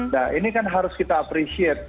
nah ini kan harus kita appreciate